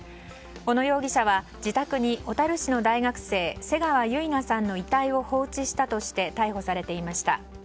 小野容疑者は自宅に小樽市の大学生瀬川結菜さんの遺体を放置したとして逮捕されていました。